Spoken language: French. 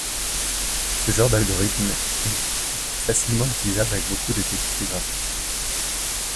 Ce genre d'algorithme est facilement utilisable avec beaucoup de techniques graphiques.